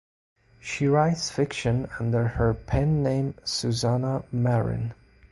She writes fiction under her pen name Susannah Marren.